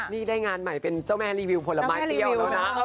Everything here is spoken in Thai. นี่ได้งานใหม่เป็นเจ้าแม่รีวิวผลไม้เปรี้ยวแล้วนะ